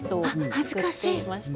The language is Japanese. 恥ずかしい。